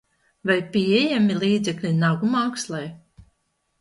Vai pieejami līdzekļi nagu mākslai?